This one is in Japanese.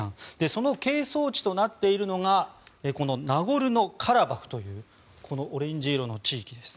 その係争地となっているのがこのナゴルノカラバフというこのオレンジ色の地域です。